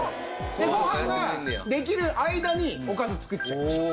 でご飯ができる間におかず作っちゃいましょう。